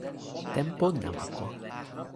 tenpo namako.